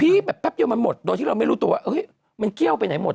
ที่แบบแป๊บเดียวมันหมดโดยที่เราไม่รู้ตัวว่ามันเกี้ยวไปไหนหมด